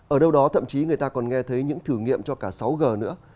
ở đâu đó thậm chí người ta còn nghe thấy những thử nghiệm cho cả sáu g nữa